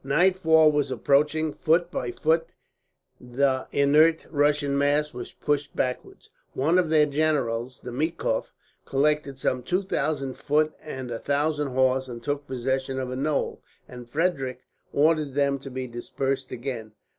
Nightfall was approaching. Foot by foot the inert Russian mass was pushed backwards. One of their generals, Demikof, collected some two thousand foot and a thousand horse, and took possession of a knoll; and Frederick ordered them to be dispersed again.